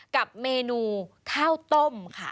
กับเมนูข้าวต้มค่ะ